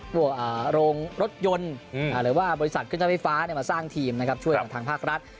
พวกโรงรถยนต์หรือว่าบริษัทเครื่องใช้ไฟฟ้ามาสร้างทีมนะครับช่วยกับทางภาครัฐ